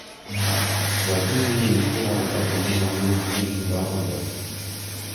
Жатын энеликке карата болгон мамиле дүйнө жүзүндө ар кандай.